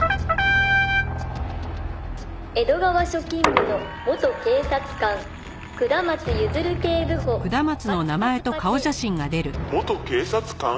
「江戸川署勤務の元警察官下松譲警部補」「パチパチパチ」「元警察官？